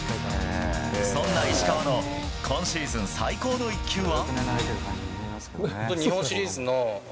そんな石川の今シーズン最高の一球は？